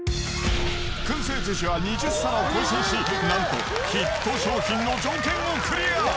くん製寿司は２０皿更新し、なんとヒット商品の条件をクリア。